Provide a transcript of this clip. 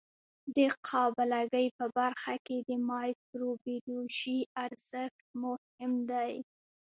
د قابله ګۍ په برخه کې د مایکروبیولوژي ارزښت مهم دی.